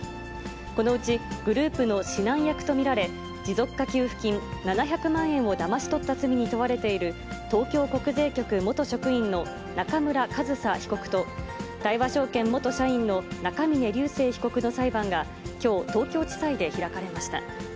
このうちグループの指南役と見られ、持続化給付金７００万円をだまし取った罪に問われている、東京国税局元職員の中村上総被告と、大和証券元社員の中峯竜晟被告の裁判が、きょう、東京地裁で開かれました。